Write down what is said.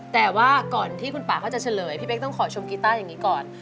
แต่ว่าก่อนที่คุณป่าเขาจะเฉลยพี่เป๊กต้องขอชมกีต้าอย่างนี้ก่อน